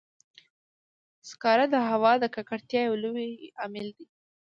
سکاره د هوا د ککړتیا یو لوی عامل دی.